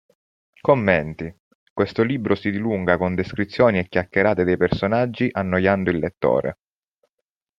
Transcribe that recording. Commenti: Questo libro si dilunga con descrizioni e chiacchierate dei personaggi annoiando il lettore.